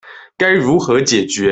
該如何解決